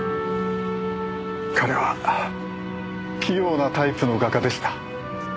彼は器用なタイプの画家でした。